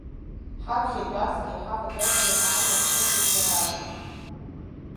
Ҳаԥхьа итәазгьы, иҳаватәазгьы аарлахҿыхит иаразнак.